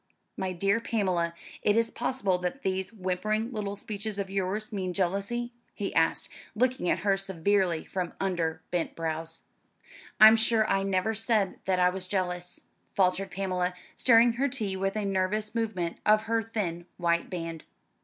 "My dear Pamela, is it possible that these whimpering little speeches of yours mean jealousy?" he asked, looking at her severely from under bent brows. "I'm sure I never said that I was jealous," faltered Pamela, stirring her tea with a nervous movement of her thin white band.